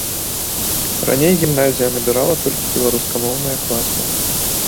Раней гімназія набірала толькі беларускамоўныя класы.